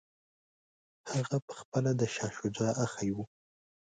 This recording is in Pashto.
هغه پخپله د شاه شجاع اخښی وو.